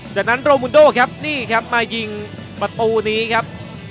จากนั้นโรมุนโดครับนี่ครับมายิงประตูนี้ครับ